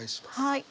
はい。